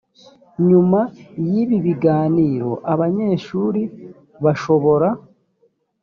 nyuma y ibi biganiro abanyeshuri bashobora